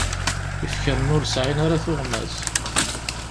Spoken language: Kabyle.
Ifekren ur sɛin ara tuɣmas.